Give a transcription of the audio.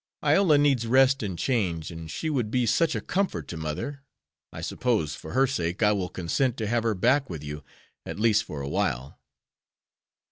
Iola needs rest and change, and she would be such a comfort to mother. I suppose, for her sake, I will consent to have her go back with you, at least for awhile."